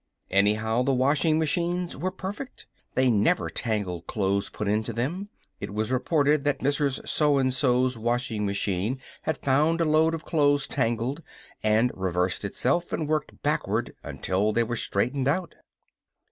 Anyhow the washing machines were perfect. They never tangled clothes put into them. It was reported that Mrs. So and so's washing machine had found a load of clothes tangled, and reversed itself and worked backward until they were straightened out.